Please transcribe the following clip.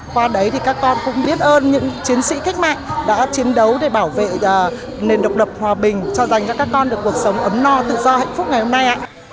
qua đấy thì các con cũng biết ơn những chiến sĩ cách mạng đã chiến đấu để bảo vệ nền độc lập hòa bình cho dành cho các con được cuộc sống ấm no tự do hạnh phúc ngày hôm nay